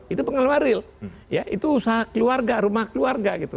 itu pengalaman real itu usaha keluarga rumah keluarga